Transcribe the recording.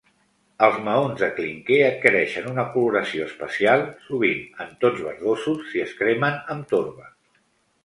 Els maons de clínquer adquireixen una coloració especial, sovint en tons verdosos, si es cremen amb torba.